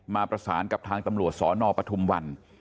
มาประสานกับทางตำรวจสนปฐุมวัน